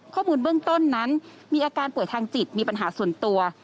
ข้อมูลเบื้องต้นนั้นมีอาการป่วยทางจิตมีปัญหาส่วนตัว